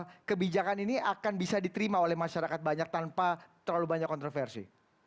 apakah kebijakan ini akan bisa diterima oleh masyarakat banyak tanpa terlalu banyak kontroversi